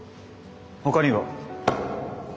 ほかには？